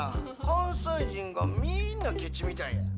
関西人がみんなケチみたいやん。